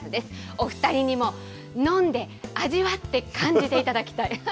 お２人にも飲んで、味わって、感じていただきたい。